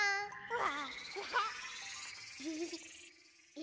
「わ！」